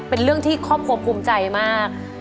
เป็นเรื่องที่ครอบครัวภูมิใจมาก